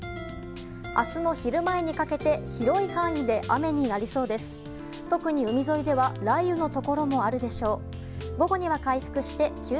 明日の昼前にかけて広い範囲で雨になりそうです。